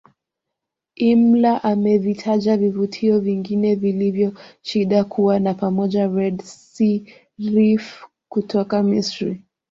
Imler amevitaja vivutio vingine vilivyo shinda kuwa ni pamoja Red sea reef kutoka Misri